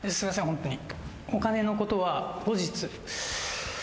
ホントに。